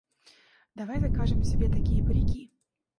Давай закажем себе такие парики!